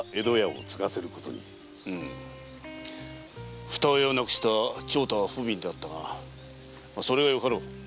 うむふた親を亡くした長太は不憫であったがそれがよかろう。